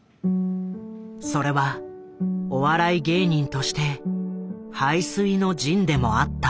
それはお笑い芸人として背水の陣でもあった。